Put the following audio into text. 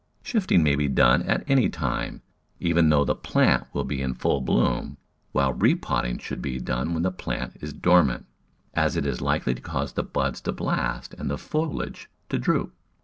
Shifting may be done at any time, even though the plant be in full bloom, while repotting should be done when the plant is dormant, as it is likely to cause the buds to blast and the foliage to droop.